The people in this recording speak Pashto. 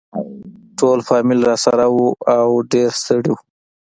ټول فامیل راسره وو او ډېر ستړي وو.